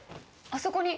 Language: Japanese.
あそこに。